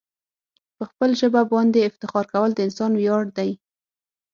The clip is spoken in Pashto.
په خپل ژبه باندي افتخار کول د انسان ویاړ دی.